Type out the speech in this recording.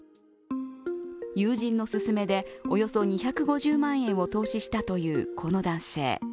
友人の勧めで、およそ２５０万円を投資したというこの男性。